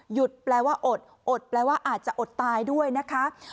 แปลว่าอดอดแปลว่าอาจจะอดตายด้วยนะคะ